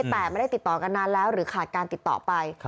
แต่ไม่ได้ติดต่อกันนานแล้วหรือขาดการติดต่อไป